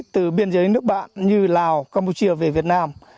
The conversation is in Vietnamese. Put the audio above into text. từ biên giới nước bạn như lào campuchia về việt nam